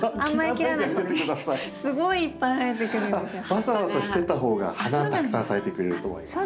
ワサワサしてた方が花はたくさん咲いてくれると思います。